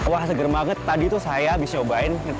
wah seger banget tadi tuh saya habis nyobain